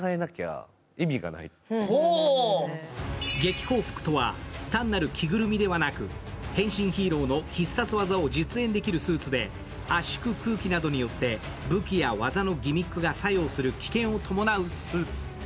劇光服とは単なる着ぐるみではなく変身ヒーローの必殺技を実演できるスーツで圧縮空気などによって武器や技のギミックが作用する、危険を伴うスーツ。